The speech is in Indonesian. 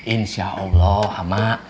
insya allah ma